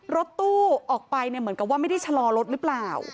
รถตู้ออกไปเนี่ยเหมือนกับว่าไม่ได้ชะลอรถหรือเปล่า